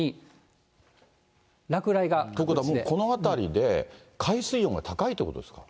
ということは、この辺りで海水温が高いということですか。